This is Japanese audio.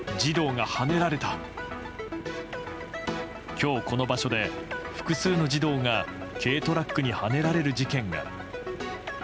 今日、この場所で複数の児童が軽トラックにはねられる事件が。